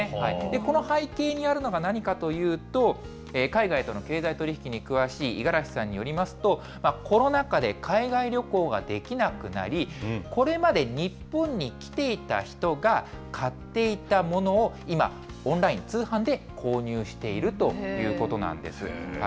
この背景にあるのが何かというと、海外との経済取り引きに詳しい五十嵐さんによりますと、コロナ禍で、海外旅行ができなくなり、これまで日本に来ていた人が買っていたものを、今、オンライン、通販で購入しているということなんです。